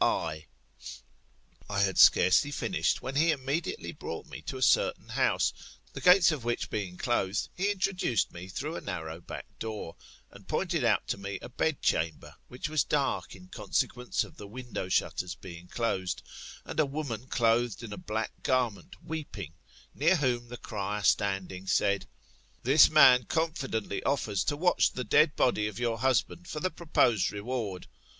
I had scarcely finished, when he immediately brought me to a certain house, the gates of which being closed, he introduced me through a narrow back door, and pointed out to tne a bedr chamber, which was dark in consequence of the window shutters being closed, and a woman clothed in a black garment weeping; near whom the cryer standing, said. This man confidently offers to watch the dead body of your husband for the proposed reward.